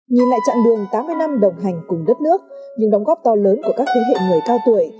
nhìn lại chặng đường tám mươi năm đồng hành cùng đất nước những đóng góp to lớn của các thế hệ người cao tuổi